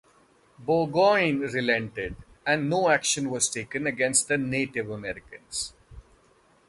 Burgoyne relented, and no action was taken against the Native Americans.